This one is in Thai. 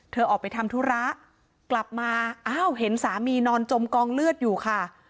ออกไปทำธุระกลับมาอ้าวเห็นสามีนอนจมกองเลือดอยู่ค่ะ